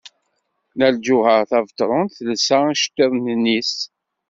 Nna Lǧuheṛ Tabetṛunt telsa iceḍḍiḍen-nnes.